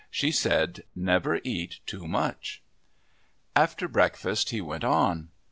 She said, "Never eat too much." After breakfast he went on.